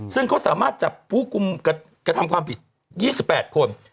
ซึ่งเขาสามารถจับผู้คุมกระทำความผิด๒๘คน